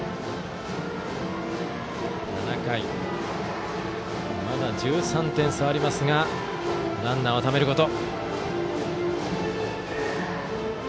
７回、まだ１３点差ありますがランナーをためること。